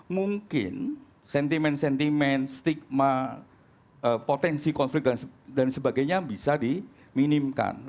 mungkin sentimen sentimen stigma potensi konflik dan sebagainya bisa diminimkan